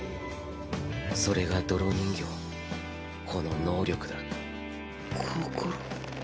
それが泥人形この能力だ。こころ。